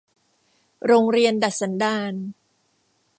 โรงเรียนดัดสันดาน